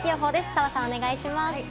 澤さん、お願いします。